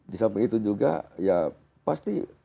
disamping itu juga ya pasti